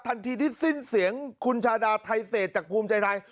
ทันทีที่สิ้นเสียงคุณชาดาไทเศษจากภูมิใจไทย